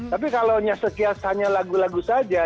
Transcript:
tapi kalau sekian hanya lagu lagu saja